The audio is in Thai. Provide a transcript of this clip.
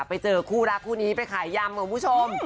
ไปเจอคู่รักคู่นี้ไปขายยำคุณผู้ชม